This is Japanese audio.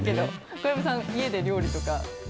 小籔さん、家で料理とか。